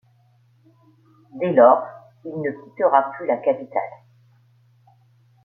Dès lors, il ne quittera plus la capitale.